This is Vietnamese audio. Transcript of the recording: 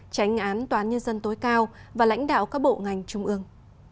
tránh án toán nhân dân tối cao và lãnh đạo các bộ ngành trung ương